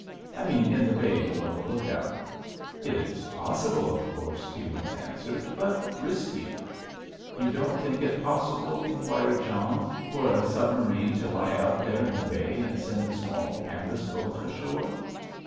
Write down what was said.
I mean in the bay below the look out." "It's possible, of course," Ewins answered, "but risky." "You don't think it possible," inquired John, "for a submarine to lie out there in the bay and send a small canvas boat ashore?"